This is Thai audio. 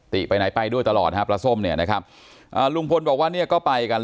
ไปไหนไปด้วยตลอดฮะปลาส้มเนี่ยนะครับอ่าลุงพลบอกว่าเนี่ยก็ไปกัน